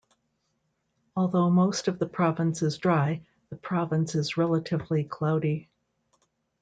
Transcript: Although most of the province is dry, the province is relatively cloudy.